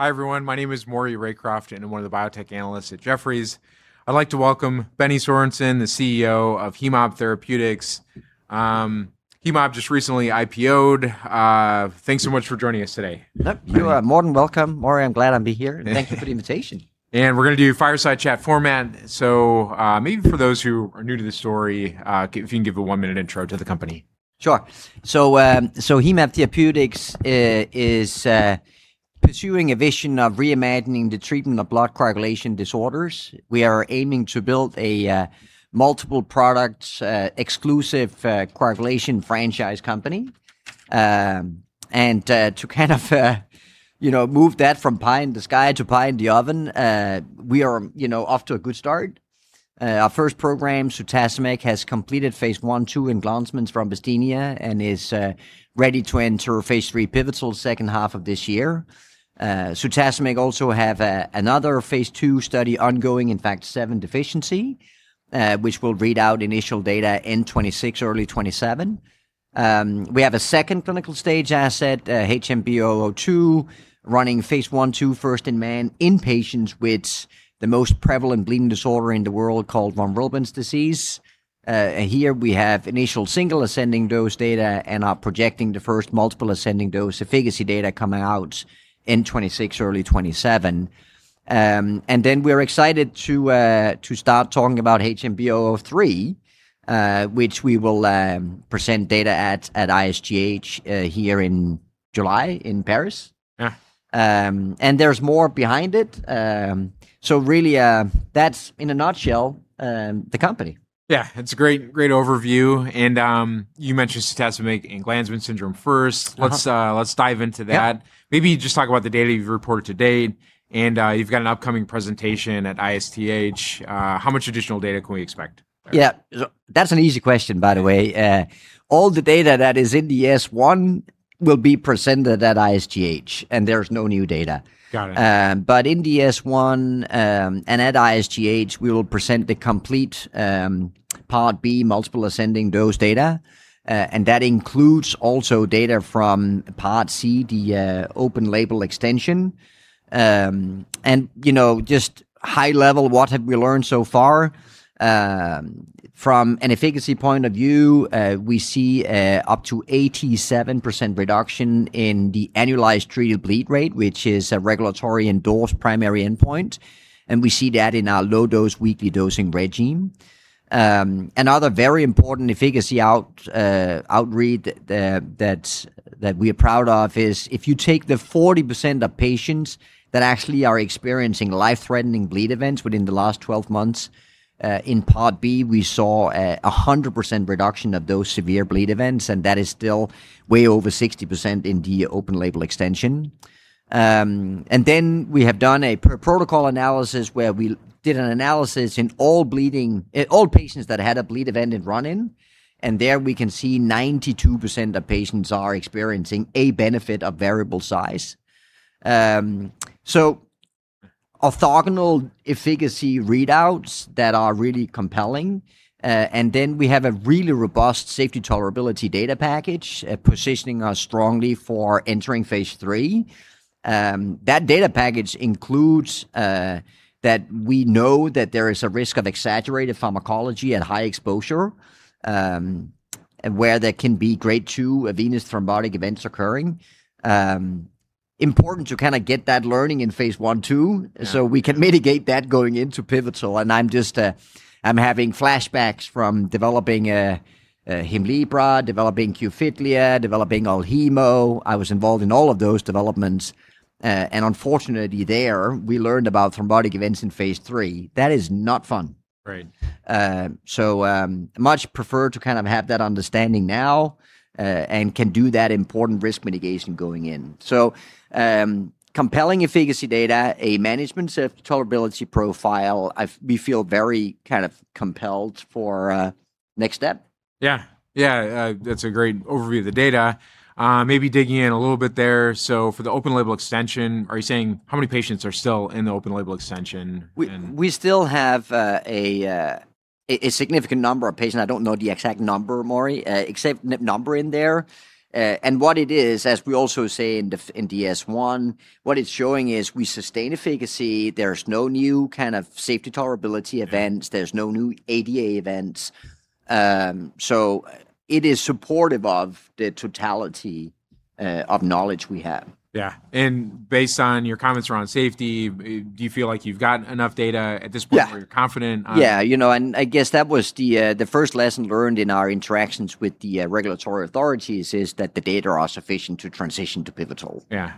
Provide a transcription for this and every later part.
Hi, everyone. My name is Maury Raycroft, and I'm one of the Biotech Analysts at Jefferies. I'd like to welcome Benny Sorensen, the CEO of Hemab Therapeutics. Hemab just recently IPO'd. Thanks so much for joining us today. Yep. You are more than welcome, Maury. I'm glad I'm here. Thank you for the invitation. We're going to do fireside chat format. Maybe for those who are new to the story, if you can give a one-minute intro to the company. Sure. Hemab Therapeutics is pursuing a vision of reimagining the treatment of blood coagulation disorders. We are aiming to build a multiple product, exclusive coagulation franchise company. To kind of move that from pie in the sky to pie in the oven, we are off to a good start. Our first program, sutacimig, has completed phase I/II in Glanzmann's thrombasthenia and is ready to enter phase III pivotal second half of this year. sutacimig also have another phase II study ongoing in Factor VII deficiency, which will read out initial data in 2026, early 2027. We have a second clinical stage asset, HMB-002, running phase I/II first-in-man in patients with the most prevalent bleeding disorder in the world called von Willebrand disease. Here we have initial single ascending dose data and are projecting the first multiple ascending dose efficacy data coming out in 2026, early 2027. We're excited to start talking about HMB-003, which we will present data at ISTH here in July in Paris. There's more behind it. Really, that's in a nutshell, the company. Yeah. It's a great overview, you mentioned sutacimig in Glanzmann syndrome first. Let's dive into that. Maybe just talk about the data you've reported to date, and you've got an upcoming presentation at ISTH. How much additional data can we expect there? Yeah. That's an easy question, by the way. All the data that is in the S-1 will be presented at ISTH, and there's no new data. Got it. In the S-1, and at ISTH, we will present the complete Part B multiple ascending dose data, and that includes also data from Part C, the open label extension. Just high-level, what have we learned so far, from an efficacy point of view, we see up to 87% reduction in the annualized treated bleed rate, which is a regulatory-endorsed primary endpoint, and we see that in our low-dose weekly dosing regime. Another very important efficacy outread that we are proud of is if you take the 40% of patients that actually are experiencing life-threatening bleed events within the last 12 months, in Part B, we saw a 100% reduction of those severe bleed events, and that is still way over 60% in the open label extension. We have done a protocol analysis where we did an analysis in all patients that had a bleed event in run-in. There we can see 92% of patients are experiencing a benefit of variable size. Orthogonal efficacy readouts that are really compelling. We have a really robust safety tolerability data package, positioning us strongly for entering phase III. That data package includes that we know that there is a risk of exaggerated pharmacology at high exposure, where there can be Grade 2 venous thrombotic events occurring. Important to kind of get that learning in phase I/II. We can mitigate that going into pivotal. I'm having flashbacks from developing HEMLIBRA, developing QFITLIA, developing Alhemo. I was involved in all of those developments. Unfortunately there, we learned about thrombotic events in phase III. That is not fun. Much prefer to kind of have that understanding now, and can do that important risk mitigation going in. Compelling efficacy data, a management safety tolerability profile. We feel very compelled for next step. Yeah. That's a great overview of the data. Maybe digging in a little bit there, so for the open label extension, are you saying how many patients are still in the open label extension? We still have a significant number of patients. I don't know the exact number, Maury, in there. What it is, as we also say in the S-1, what it's showing is we sustain efficacy. There's no new kind of safety tolerability events. There's no new ADA events. It is supportive of the totality of knowledge we have. Yeah. Based on your comments around safety, do you feel like you've gotten enough data at this point where you're confident? Yeah. I guess that was the first lesson learned in our interactions with the regulatory authorities is that the data are sufficient to transition to pivotal. There,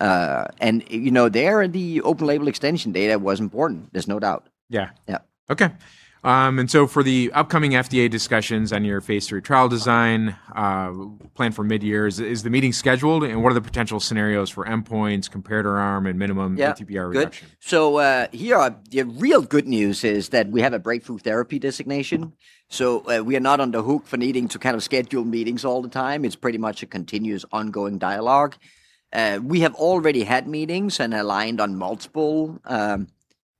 the open label extension data was important. There's no doubt. Okay. For the upcoming FDA discussions on your phase III trial design, plan for midyear, is the meeting scheduled, and what are the potential scenarios for endpoints, comparator arm, and minimum ATBR reduction? Good. Here, the real good news is that we have a Breakthrough Therapy designation. We are not on the hook for needing to schedule meetings all the time. It's pretty much a continuous ongoing dialogue. We have already had meetings and aligned on multiple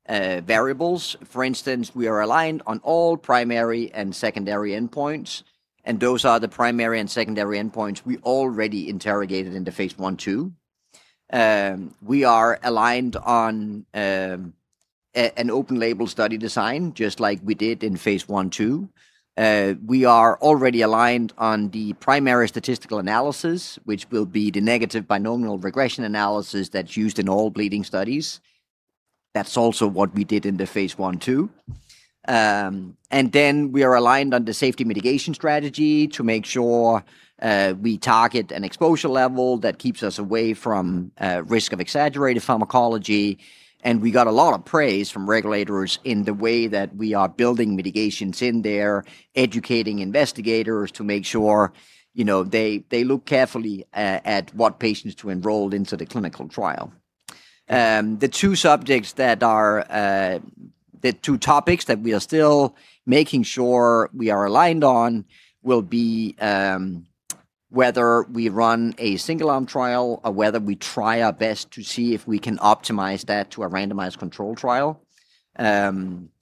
variables. For instance, we are aligned on all primary and secondary endpoints, and those are the primary and secondary endpoints we already interrogated in the phase I/II. We are aligned on an open-label study design, just like we did in phase I/II. We are already aligned on the primary statistical analysis, which will be the negative binomial regression analysis that's used in all bleeding studies. That's also what we did in the phase I/II. Then we are aligned on the safety mitigation strategy to make sure we target an exposure level that keeps us away from risk of exaggerated pharmacology, and we got a lot of praise from regulators in the way that we are building mitigations in there, educating investigators to make sure they look carefully at what patients to enroll into the clinical trial. The two topics that we are still making sure we are aligned on will be whether we run a single-arm trial or whether we try our best to see if we can optimize that to a randomized control trial.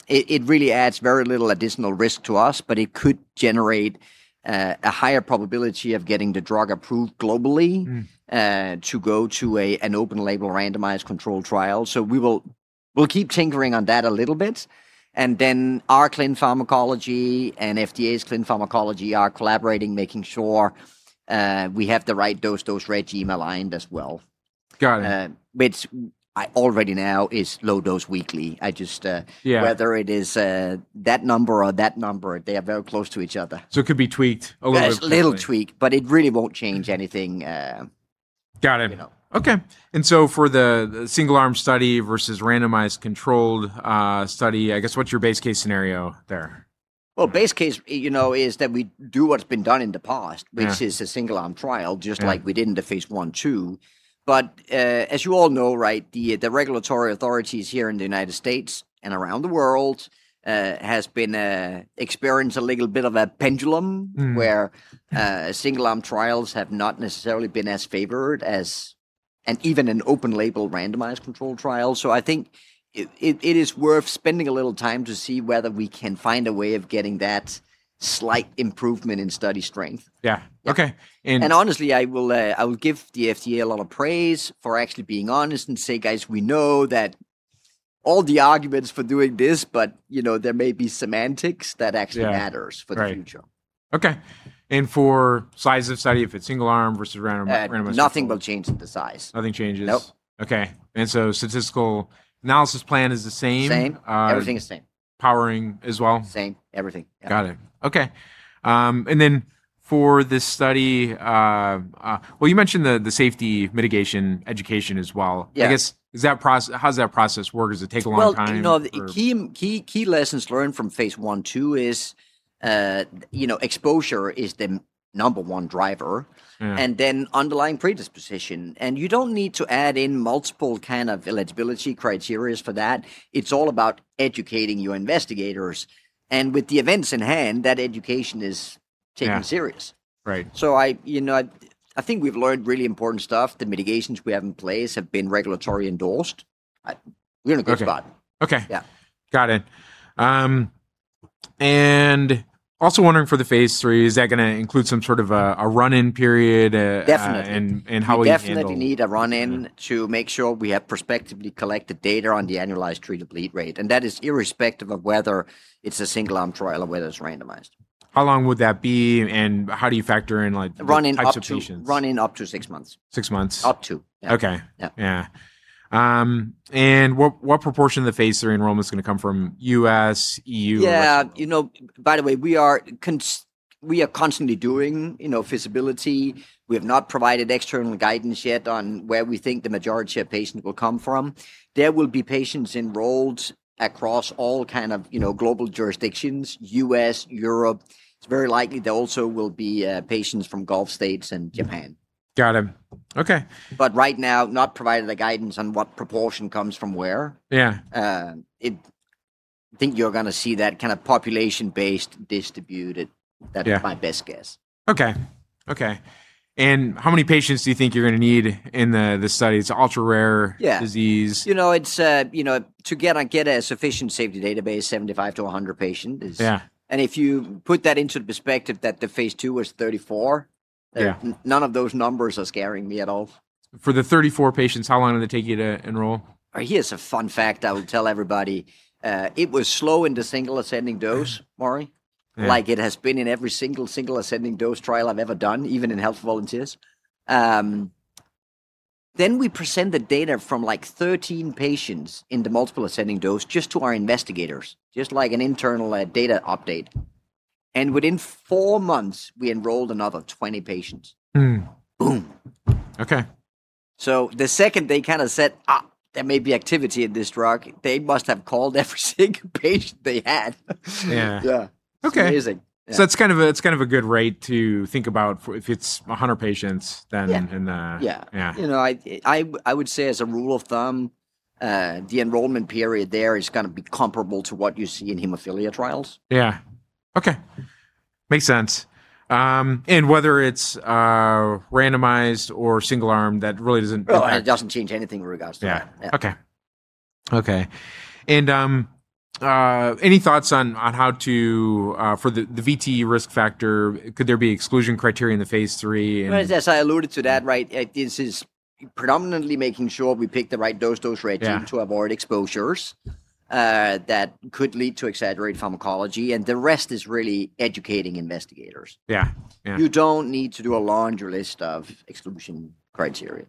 It really adds very little additional risk to us, but it could generate a higher probability of getting the drug approved globally to go to an open-label randomized control trial. We'll keep tinkering on that a little bit, and then our clinical pharmacology and FDA's clinical pharmacology are collaborating, making sure we have the right dose regime aligned as well. Got it. Which already now is low dose weekly whether it is that number or that number, they are very close to each other. It could be tweaked a little bit slightly. Yes, a little tweak, but it really won't change anything. Got it. Okay. For the single-arm study versus randomized controlled study, I guess what's your base case scenario there? Well, base case is that we do what's been done in the past which is a single-arm trial just like we did in the phase I/II. As you all know, right, the regulatory authorities here in the U.S. and around the world has been experiencing a little bit of a pendulum where single-arm trials have not necessarily been as favored as, and even an open-label randomized control trial. I think it is worth spending a little time to see whether we can find a way of getting that slight improvement in study strength. Yeah. Okay. Honestly, I will give the FDA a lot of praise for actually being honest and say, "Guys, we know that all the arguments for doing this, but there may be semantics that actually matters for the future. Okay. For size of study, if it's single arm versus randomized control. Nothing will change with the size. Nothing changes. Nope. Okay. Statistical analysis plan is the same. Same. Everything is same. Powering as well. Same everything. Yeah. Got it. Okay. For this study, well, you mentioned the safety mitigation education as well. I guess, how does that process work? Does it take a long time? Well, key lessons learned from phase I/II is exposure is the number one driver. Then underlying predisposition. You don't need to add in multiple kind of eligibility criterias for that. It's all about educating your investigators. With the events in hand, that education is taken serious. I think we've learned really important stuff. The mitigations we have in place have been regulatory endorsed. We're in a good spot. Got it. Also wondering for the phase III, is that going to include some sort of a run-in period? Definitely How are you going to handle? We definitely need a run-in to make sure we have prospectively collected data on the annualized treated bleed rate. That is irrespective of whether it's a single-arm trial or whether it's randomized. How long would that be, and how do you factor in like the types of patients? Run-in up to six months. Six months. Up to. Yeah. Yeah. What proportion of the phase III enrollment is going to come from U.S., E.U., or? Yeah. By the way, we are constantly doing feasibility. We have not provided external guidance yet on where we think the majority of patients will come from. There will be patients enrolled across all kind of global jurisdictions, U.S., Europe. It's very likely there also will be patients from Gulf States and Japan. Got it. Okay. Right now, not providing the guidance on what proportion comes from where. I think you're going to see that kind of population based distributed. That's my best guess. Okay. How many patients do you think you're going to need in this study? It's ultra rare disease. To get a sufficient safety database, 75-100 patient. If you put that into perspective that the phase II was 34. None of those numbers are scaring me at all. For the 34 patients, how long did it take you to enroll? Here's a fun fact I would tell everybody. It was slow in the single ascending dose, Maury. Like it has been in every single ascending dose trial I've ever done, even in health volunteers. We present the data from like 13 patients in the multiple ascending dose just to our investigators, just like an internal data update. Within four months, we enrolled another 20 patients. Boom. The second they kind of said, "There may be activity in this drug," they must have called every single patient they had. It's amazing. Yeah. It's kind of a good rate to think about if it's 100 patients. Yeah. I would say as a rule of thumb, the enrollment period there is going to be comparable to what you see in hemophilia trials. Yeah. Okay. Makes sense. Whether it's randomized or single arm, that really doesn't. Oh, it doesn't change anything in regards to that. Yeah. Okay. Any thoughts on how to, for the VTE risk factor, could there be exclusion criteria in the phase III and- Well, yes, I alluded to that, right? This is predominantly making sure we pick the right dose regime to avoid exposures that could lead to exaggerated pharmacology, and the rest is really educating investigators. You don't need to do a laundry list of exclusion criteria.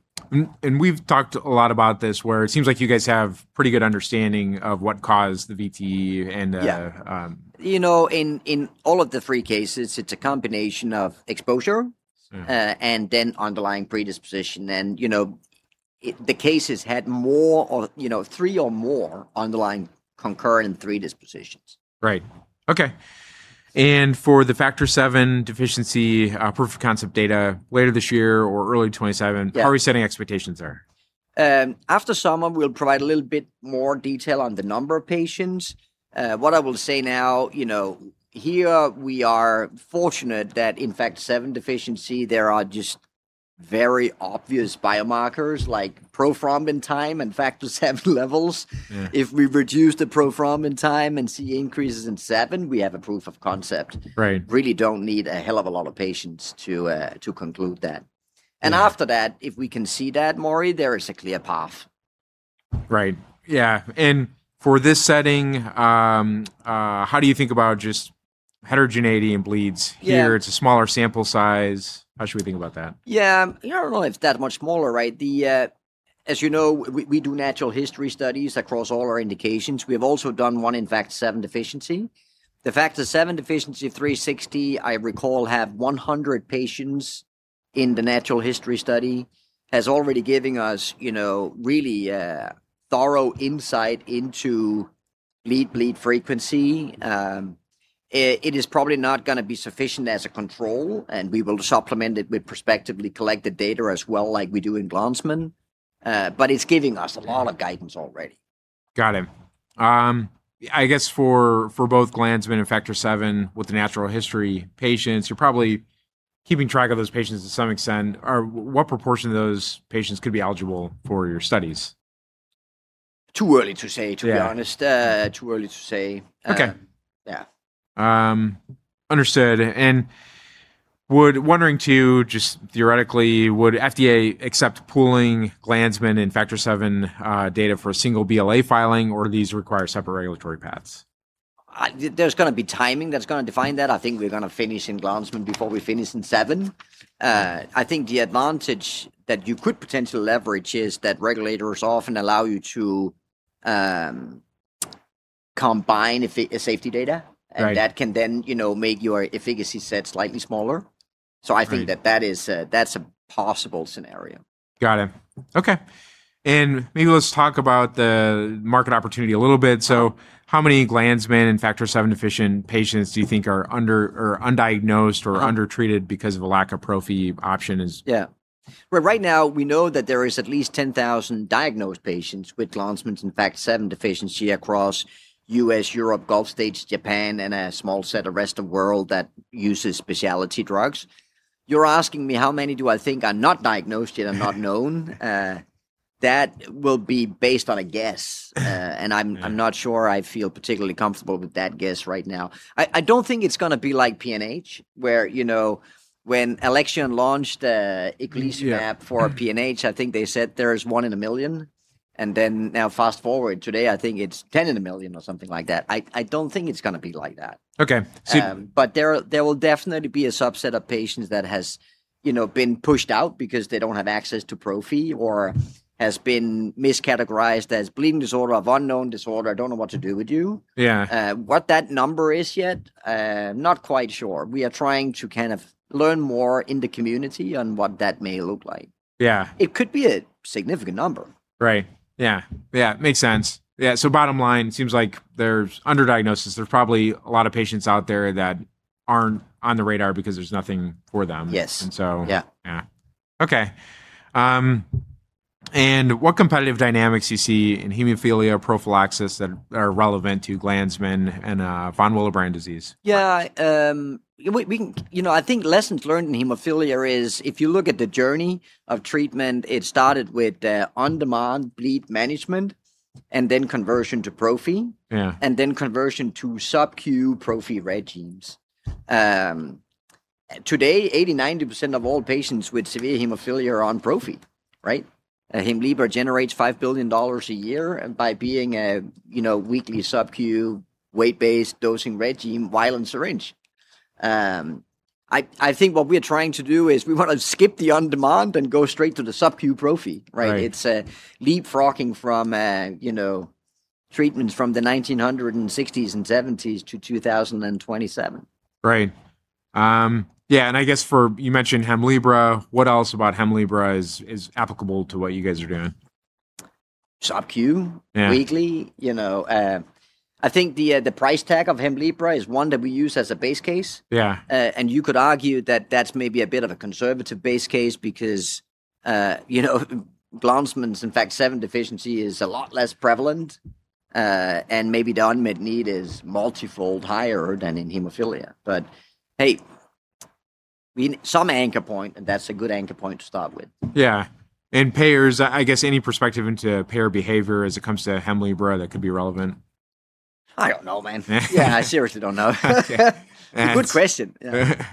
We've talked a lot about this, where it seems like you guys have pretty good understanding of what caused the VTE. Yeah. In all of the three cases, it's a combination of exposure and then underlying predisposition. The cases had three or more underlying concurrent predispositions. Right. Okay. For the Factor VII Deficiency proof of concept data later this year or early 2027. How are we setting expectations there? After summer, we'll provide a little bit more detail on the number of patients. What I will say now, here we are fortunate that in Factor VII Deficiency there are just very obvious biomarkers like prothrombin time and factor VII levels. Yeah. If we reduce the prothrombin time and see increases in VII, we have a proof of concept. Right. Really don't need a hell of a lot of patients to conclude that. Yeah. After that, if we can see that, Maury, there is a clear path. Right. Yeah. For this setting, how do you think about just heterogeneity in bleeds here? Yeah. It's a smaller sample size. How should we think about that? Yeah. I don't know if it's that much smaller, right? As you know, we do natural history studies across all our indications. We have also done one in Factor VII Deficiency. The Factor VII Deficiency 360, I recall, have 100 patients in the natural history study, has already giving us really a thorough insight into lead bleed frequency. It is probably not going to be sufficient as a control, and we will supplement it with prospectively collected data as well like we do in Glanzmann. It's giving us a lot of guidance already. Got it. I guess for both Glanzmann and Factor VII with the natural history patients, you're probably keeping track of those patients to some extent, or what proportion of those patients could be eligible for your studies? Too early to say, to be honest too early to say. Understood. Wondering too, just theoretically, would FDA accept pooling Glanzmann and Factor VII data for a single BLA filing, or these require separate regulatory paths? There's going to be timing that's going to define that. I think we're going to finish in Glanzmann before we finish in VII. I think the advantage that you could potentially leverage is that regulators often allow you to combine safety data. That can then make your efficacy set slightly smaller. I Think that that's a possible scenario. Got it. Okay. Maybe let's talk about the market opportunity a little bit. How many Glanzmann and Factor VII deficient patients do you think are undiagnosed or undertreated because of a lack of prophy option? Yeah. Well, right now, we know that there is at least 10,000 diagnosed patients with Glanzmann and Factor VII deficiency across U.S., Europe, Gulf states, Japan, and a small set of rest of world that uses specialty drugs. You're asking me how many do I think are not diagnosed yet or not known. That will be based on a guess. I'm not sure I feel particularly comfortable with that guess right now. I don't think it's going to be like PNH, where when Alexion launched eculizumab for PNH, I think they said there is one in a million. Now fast-forward today, I think it's 10 in a million or something like that. I don't think it's going to be like that. Okay. There will definitely be a subset of patients that has been pushed out because they don't have access to prophy or has been miscategorized as bleeding disorder of unknown disorder, don't know what to do with you. What that number is yet, not quite sure. We are trying to kind of learn more in the community on what that may look like. It could be a significant number. Right. Yeah. Makes sense. Yeah, bottom line, seems like there's underdiagnosis. There's probably a lot of patients out there that aren't on the radar because there's nothing for them. Yes. Okay. What competitive dynamics do you see in hemophilia prophylaxis that are relevant to Glanzmann and von Willebrand disease? Yeah. I think lessons learned in hemophilia is if you look at the journey of treatment, it started with on-demand bleed management, and then conversion to prophy. Yeah. Then conversion to sub-Q prophy regimes. Today, 80%, 90% of all patients with severe hemophilia are on prophy, right? HEMLIBRA generates $5 billion a year by being a weekly sub-Q weight-based dosing regime vial and syringe. I think what we are trying to do is we want to skip the on-demand and go straight to the sub-Q prophy, right? It's a leapfrogging from treatments from the 1960s and '70s to 2027. Right. Yeah, I guess for, you mentioned HEMLIBRA, what else about HEMLIBRA is applicable to what you guys are doing? Sub-Q weekly. I think the price tag of Hemlibra is one that we use as a base case. Yeah. You could argue that that's maybe a bit of a conservative base case because Glanzmann's and Factor VII deficiency is a lot less prevalent. Maybe the unmet need is multifold higher than in hemophilia. Hey, we need some anchor point, and that's a good anchor point to start with. Yeah. Payers, I guess any perspective into payer behavior as it comes to HEMLIBRA that could be relevant? I don't know, man. Yeah, I seriously don't know. Good question. Yeah.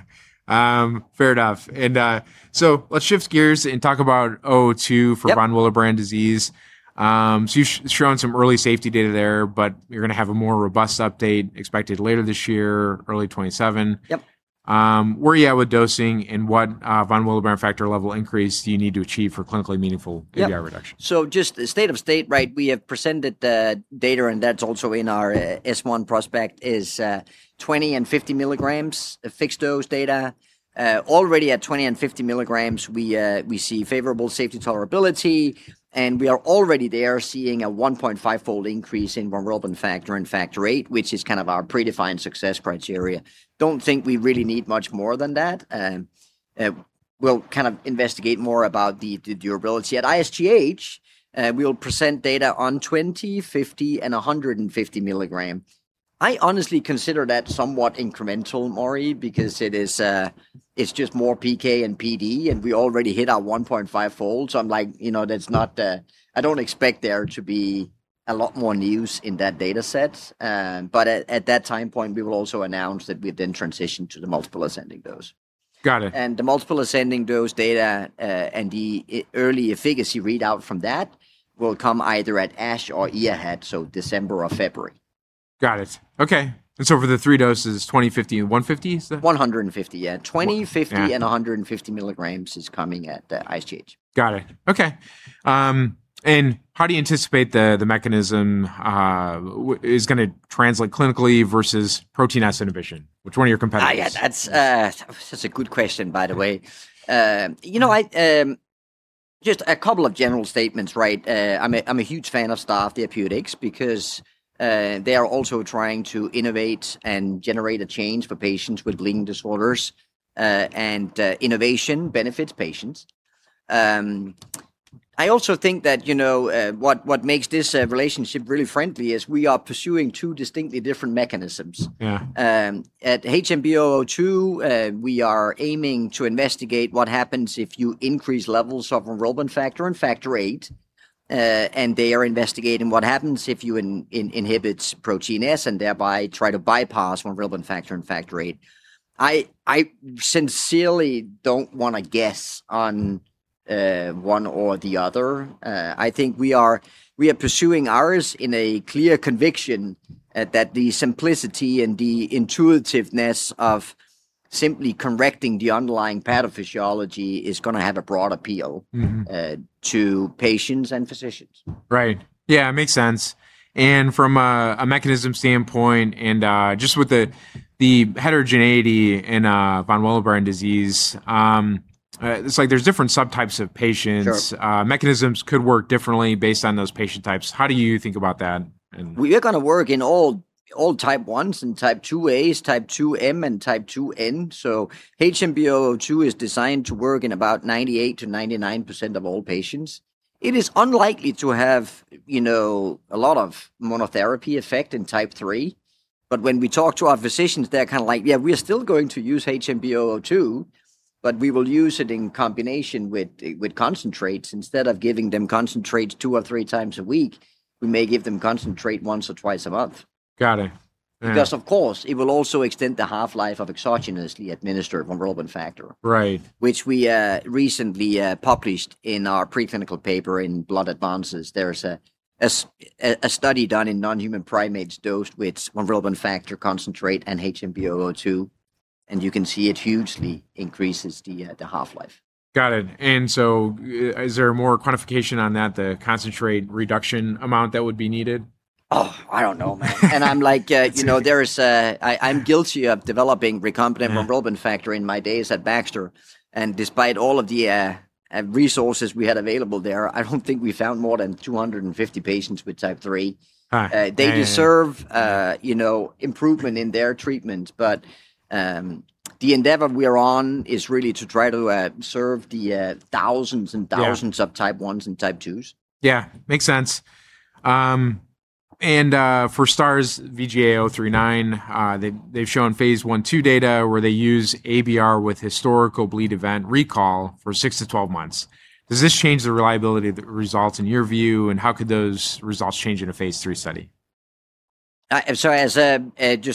Fair enough. Let's shift gears and talk about 002 for von Willebrand disease. You've shown some early safety data there, but you're going to have a more robust update expected later this year, early 2027. Yep. Where are you at with dosing, and what von Willebrand factor level increase do you need to achieve for clinically meaningful ABR reduction? Just the state of state, we have presented the data, and that is also in our S-1 prospect, is 20 and 50 milligrams of fixed-dose data. Already at 20 mg and 50 mg, we see favorable safety tolerability, and we are already there seeing a 1.5-fold increase in von Willebrand factor and Factor VIII, which is kind of our predefined success criteria. I don't think we really need much more than that. We will investigate more about the durability. At ISTH, we will present data on 20 mg, 50 mg, and 150 mg. I honestly consider that somewhat incremental, Maury, because it is just more PK and PD, and we already hit our 1.5-fold, so I am like, I don't expect there to be a lot more news in that data set. At that time point, we will also announce that we then transition to the multiple ascending dose. Got it. The multiple ascending dose data, and the early efficacy readout from that will come either at ASH or EAHAD, so December or February. Got it. Okay. For the three doses, 20 mg, 50 mg, and 150 mg? 150 mg. 20 mg, 50 mg, and 150 mg is coming at ISTH. Got it. Okay. How do you anticipate the mechanism is going to translate clinically versus protein S inhibition, which is one of your competitors? Yeah. That's a good question, by the way. Just a couple of general statements. I'm a huge fan of Star Therapeutics because they are also trying to innovate and generate a change for patients with bleeding disorders, and innovation benefits patients. I also think that what makes this relationship really friendly is we are pursuing two distinctly different mechanisms. Yeah. At HMB-002, we are aiming to investigate what happens if you increase levels of von Willebrand factor and factor VIII. They are investigating what happens if you inhibit protein S and thereby try to bypass von Willebrand factor and Factor VIII. I sincerely don't want to guess on one or the other. I think we are pursuing ours in a clear conviction that the simplicity and the intuitiveness of simply correcting the underlying pathophysiology is going to have a broad appeal to patients and physicians. Right. Yeah, it makes sense. From a mechanism standpoint and just with the heterogeneity in von Willebrand disease, it's like there's different subtypes of patients. Mechanisms could work differently based on those patient types. How do you think about that? We are going to work in all Type 1s and Type 2As, Type 2M and Type 2N, so HMB-002 is designed to work in about 98%-99% of all patients. It is unlikely to have a lot of monotherapy effect in Type 3, but when we talk to our physicians, they're kind of like, "Yeah, we are still going to use HMB-002, but we will use it in combination with concentrates. Instead of giving them concentrates two or three times a week, we may give them concentrate once or twice a month. Got it. Yeah. Of course, it will also extend the half-life of exogenously administered von Willebrand factor. Right. Which we recently published in our pre-clinical paper in "Blood Advances." There is a study done in non-human primates dosed with von Willebrand factor concentrate and HMB-002, and you can see it hugely increases the half-life. Got it. Is there more quantification on that, the concentrate reduction amount that would be needed? Oh, I don't know, man. I'm guilty of developing recombinant von Willebrand factor in my days at Baxter, and despite all of the resources we had available there, I don't think we found more than 250 patients with Type 3. Right. Yeah. They deserve improvement in their treatment, but the endeavor we are on is really to try to serve the thousands and thousands of Type 1s and Type 2s. Yeah. Makes sense. For Star's VGA039, they've shown phase I/II data where they use ABR with historical bleed event recall for 6-12 months. Does this change the reliability of the results in your view, and how could those results change in a phase III study? Just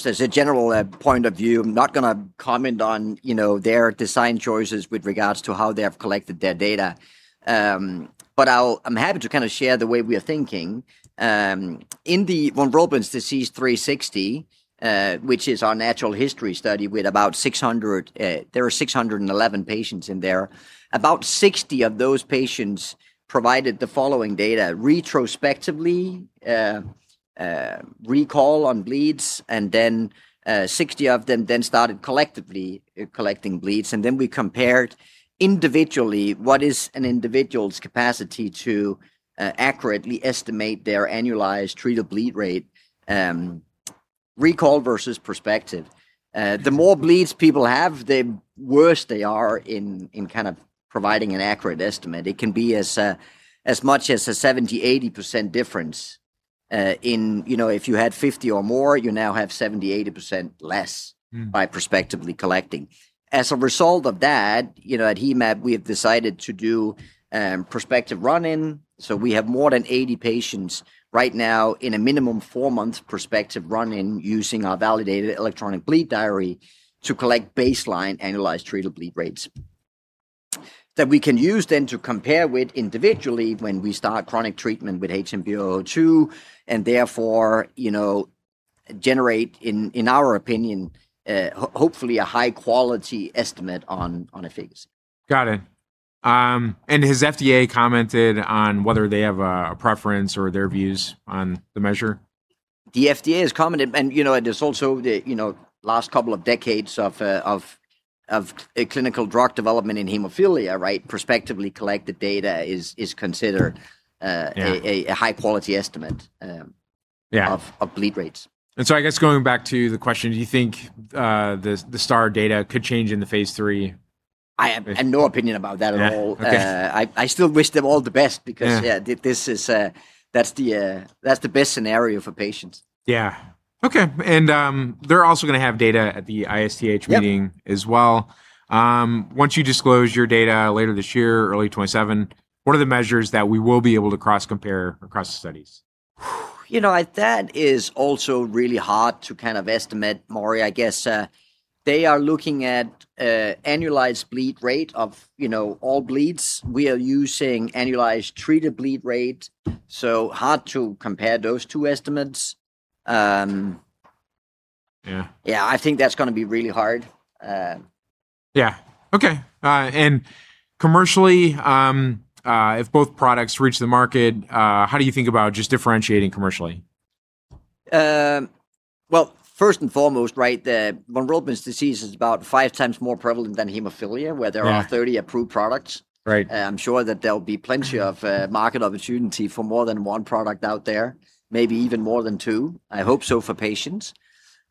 as a general point of view, I'm not going to comment on their design choices with regards to how they have collected their data. I'm happy to share the way we are thinking. In the von Willebrand disease 360, which is our natural history study with about 600, there were 611 patients in there. About 60 of those patients provided the following data retrospectively, recall on bleeds, and then 60 of them started collectively collecting bleeds, and then we compared individually what is an individual's capacity to accurately estimate their annualized treated bleed rate Recall versus prospective. The more bleeds people have, the worse they are in providing an accurate estimate. It can be as much as a 70%, 80% difference in if you had 50 or more, you now have 70%, 80% less by prospectively collecting. At Hemab, we have decided to do prospective run-in. We have more than 80 patients right now in a minimum of four months prospective run-in using our validated electronic bleed diary to collect baseline annualized treated bleed rates that we can use then to compare with individually when we start chronic treatment with HMB-002, and therefore, generate, in our opinion, hopefully a high-quality estimate on efficacy. Got it. Has FDA commented on whether they have a preference or their views on the measure? The FDA has commented. There's also the last couple of decades of clinical drug development in hemophilia, prospectively collected data is considered a high-quality estimate of bleed rates. I guess going back to the question, do you think the STAR data could change in the phase III? I have no opinion about that at all. Yeah. Okay. I still wish them all the best because yeah, that's the best scenario for patients. Yeah. Okay. They're also going to have data at the ISTH meeting as well. Once you disclose your data later this year, early 2027, what are the measures that we will be able to cross compare across the studies? That is also really hard to estimate, Maury. I guess they are looking at annualized bleed rate of all bleeds. We are using annualized treated bleed rate, so hard to compare those two estimates. Yeah. Yeah, I think that's going to be really hard. Yeah. Okay. Commercially, if both products reach the market, how do you think about just differentiating commercially? Well, first and foremost, von Willebrand disease is about 5x more prevalent than hemophilia, where there are 30 approved products. Right. I'm sure that there'll be plenty of market opportunity for more than one product out there, maybe even more than two. I hope so for patients.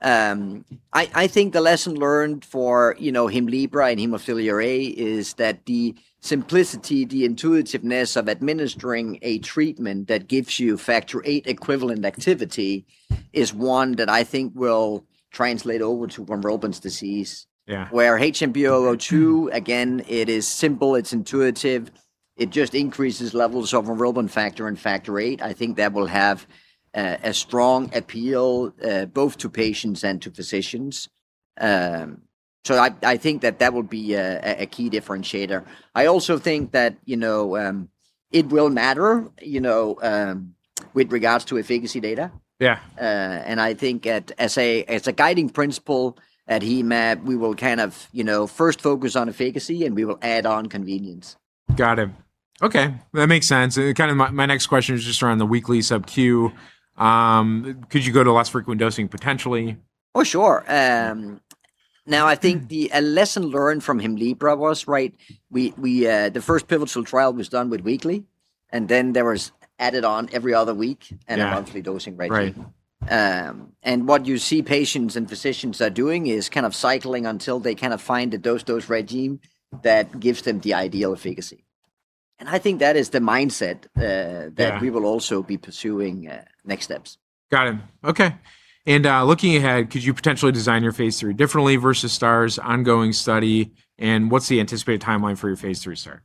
I think the lesson learned for HEMLIBRA in hemophilia A is that the simplicity, the intuitiveness of administering a treatment that gives you factor VIII equivalent activity is one that I think will translate over to von Willebrand disease. Yeah. HMB-002, again, it is simple, it's intuitive. It just increases levels of von Willebrand factor and Factor VIII. I think that will have a strong appeal both to patients and to physicians. I think that that will be a key differentiator. I also think that it will matter with regards to efficacy data. Yeah. I think as a guiding principle at Hemab, we will first focus on efficacy, and we will add on convenience. Got it. Okay. That makes sense. My next question is just around the weekly sub Q. Could you go to less frequent dosing potentially? Oh, sure. I think the lesson learned from HEMLIBRA was the first pivotal trial was done with weekly, and then there was added on every other week, a monthly dosing regimen. Right. What you see patients and physicians are doing is kind of cycling until they find the dose regime that gives them the ideal efficacy. I think that is the mindset that we will also be pursuing next steps. Got it. Okay. Looking ahead, could you potentially design your phase III differently versus STAR's ongoing study? What's the anticipated timeline for your phase III start?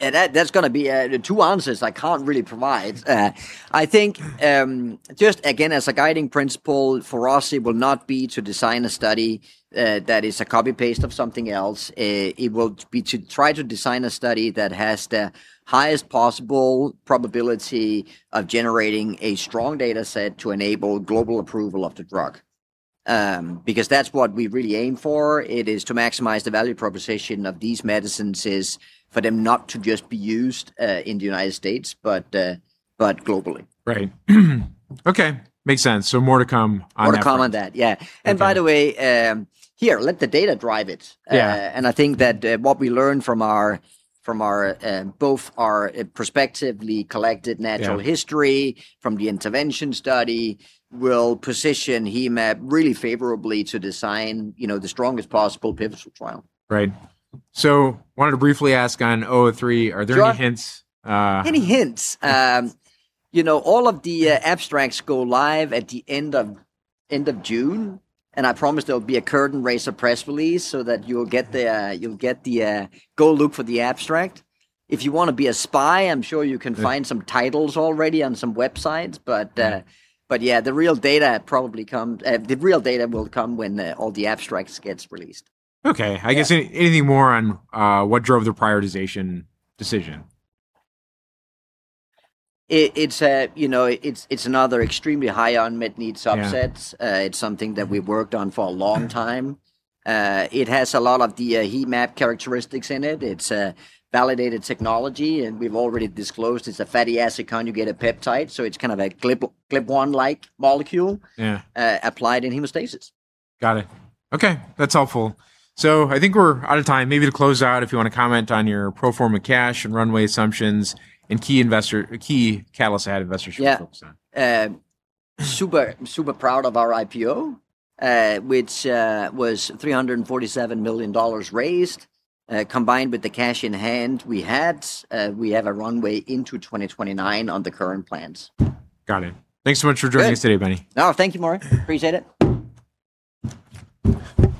That's going to be two answers I can't really provide. I think, just again, as a guiding principle for us, it will not be to design a study that is a copy-paste of something else. It will be to try to design a study that has the highest possible probability of generating a strong data set to enable global approval of the drug because that's what we really aim for. It is to maximize the value proposition of these medicines is for them not to just be used in the United States, but globally. Right. Okay, makes sense. More to come on that front. More to come on that. Yeah. By the way, here, let the data drive it. I think that what we learn from both our prospectively collected natural history from the intervention study will position Hemab really favorably to design the strongest possible pivotal trial. Right. I wanted to briefly ask on 003, are there any hints? Any hints. All of the abstracts go live at the end of June, and I promise there'll be a curtain raiser press release so that you'll get the go look for the abstract. If you want to be a spy, I'm sure you can find some titles already on some websites. Yeah, the real data will come when all the abstracts gets released. Okay. I guess anything more on what drove the prioritization decision? It's another extremely high unmet need subset. It's something that we've worked on for a long time. It has a lot of the Hemab characteristics in it. It's a validated technology, and we've already disclosed it's a fatty acid conjugated peptide, so it's kind of a GLP-1-like molecule applied in hemostasis. Got it. Okay. That's helpful. I think we're out of time. Maybe to close out, if you want to comment on your pro forma cash and runway assumptions and key catalyst and investors you're focused on? Yeah. Super proud of our IPO, which was $347 million raised. Combined with the cash in hand we had, we have a runway into 2029 on the current plans. Got it. Thanks so much for joining us today, Benny. Oh, thank you, Maury. Appreciate it. Almost there.